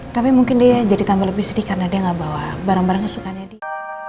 tapi mungkin dia jadi lebih sedih karena dia tidak membawa barang barang yang dia suka